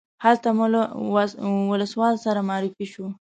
هلته مو له ولسوال سره معرفي شوو.